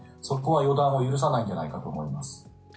そこは予断を許さないんじゃないかと思います。